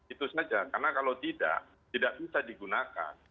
itu saja karena kalau tidak tidak bisa digunakan